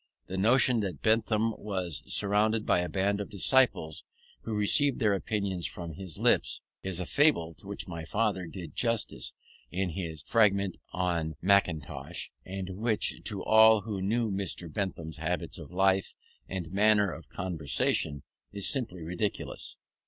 The notion that Bentham was surrounded by a band of disciples who received their opinions from his lips, is a fable to which my father did justice in his "Fragment on Mackintosh," and which, to all who knew Mr. Bentham's habits of life and manner of conversation, is simply ridiculous.